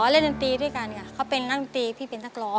เล่นดนตรีด้วยกันค่ะเขาเป็นนักดนตรีพี่เป็นนักร้อง